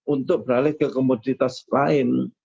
untuk beralih ke komoditas lain